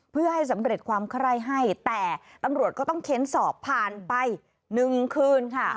เพื่อให้สำเร็จความไคร้ให้แต่ตำรวจก็ต้องเค้นสอบผ่านไป๑คืนค่ะ